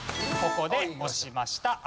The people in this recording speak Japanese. ここで押しました。